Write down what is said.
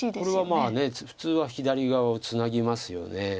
これはまあ普通は左側をツナぎますよね。